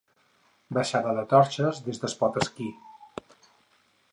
Baixada de Torxes des d'Espot-Esquí.